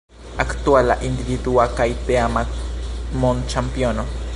Aktuala individua kaj teama mondĉampiono.